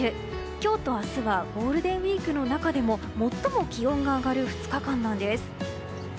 今日と明日はゴールデンウィークの中でも最も気温が上がる２日間なんです。